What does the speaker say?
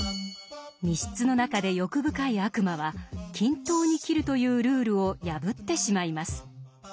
密室の中で欲深い悪魔は「均等に切る」というルールを破ってしまいます。